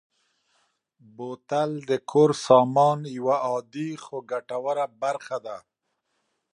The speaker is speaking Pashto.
بوتل د کور سامان یوه عادي خو ګټوره برخه ده.